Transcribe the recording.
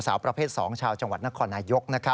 สาวประเภท๒ชาวจังหวัดนครนายก